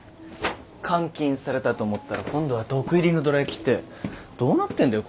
監禁されたと思ったら今度は毒入りのどら焼きってどうなってんだよ